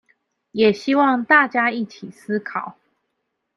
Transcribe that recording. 也希望大家一起思考